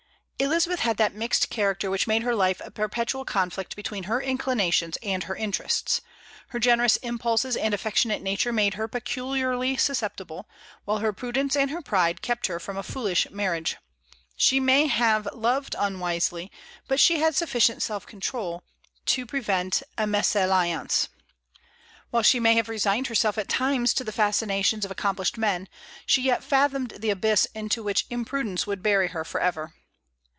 Elizabeth had that mixed character which made her life a perpetual conflict between her inclinations and her interests. Her generous impulses and affectionate nature made her peculiarly susceptible, while her prudence and her pride kept her from a foolish marriage. She may have loved unwisely, but she had sufficient self control to prevent a mésalliance. While she may have resigned herself at times to the fascinations of accomplished men, she yet fathomed the abyss into which imprudence would bury her forever.